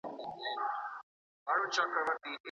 تېراژ څه شي دی؟